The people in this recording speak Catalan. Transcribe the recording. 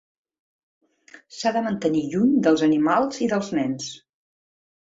S'ha de mantenir lluny dels animals i dels nens.